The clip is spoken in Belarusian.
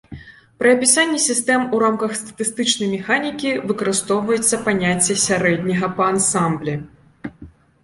Пры апісанні сістэм у рамках статыстычнай механікі выкарыстоўваецца паняцце сярэдняга па ансамблі.